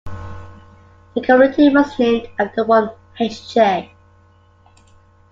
The community was named after one H. J.